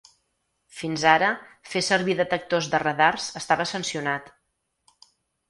Fins ara, fer servir detectors de radars estava sancionat.